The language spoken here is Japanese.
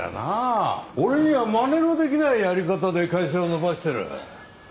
俺にはまねのできないやり方で会社を伸ばしてる。